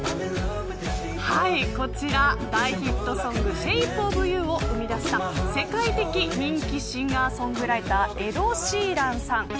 こちら、大ヒットソングＳｈａｐｅＯｆＹｏｕを生み出した世界的人気シンガー・ソングライターエド・シーランさん。